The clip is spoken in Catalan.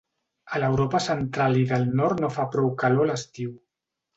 A l'Europa central i del nord no fa prou calor a l'estiu.